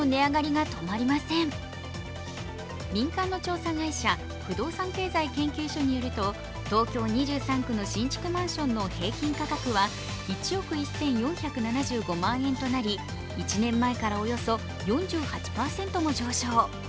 民間の調査会社、不動産経済研究所によると東京２３区の新築マンションの平均価格は１億１４７５万円となり１年前からおよそ４８％も上昇。